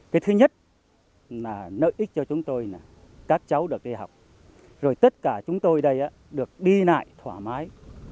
cái thứ nhất là nợ ích cho chúng tôi là các cháu được đi học rồi tất cả chúng tôi đây được đi lại thoải mái